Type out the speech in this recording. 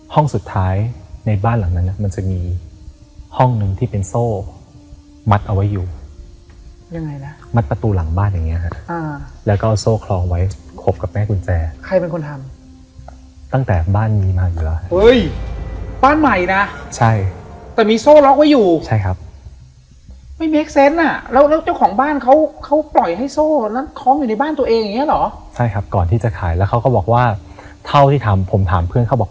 ห้องสุดท้ายในบ้านหลังนั้นมันจะมีห้องนึงที่เป็นโซ่มัดเอาไว้อยู่ยังไงล่ะมัดประตูหลังบ้านอย่างเงี้ยครับอ่าแล้วก็เอาโซ่คลองไว้ครบกับแม่กุญแจใครเป็นคนทำตั้งแต่บ้านนี้มาอยู่แล้วเฮ้ยบ้านใหม่น่ะใช่แต่มีโซ่ล็อกไว้อยู่ใช่ครับไม่เมคเซนต์น่ะแล้วแล้วเจ้าของบ้านเขาเขาปล่อยให้โซ่แล้วคล